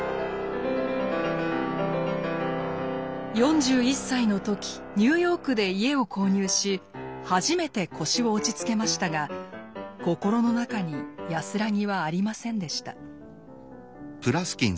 ４１歳の時ニューヨークで家を購入し初めて腰を落ち着けましたが心の中に安らぎはありませんでした。